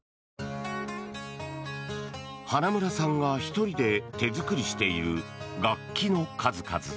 花村さんが１人で手作りしている楽器の数々。